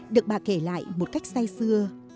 được bà kể lại một cách say xưa